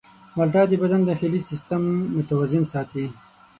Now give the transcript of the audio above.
مالټه د بدن داخلي سیستم متوازن ساتي.